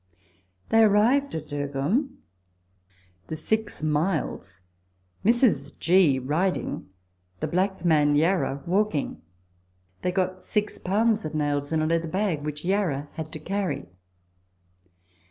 They arrived at Dergholm the six miles, Mrs. G. riding ; the black man, Yarra, walking ; they got 6 Ibs. nails in a leather bag, which Yarra had to carry.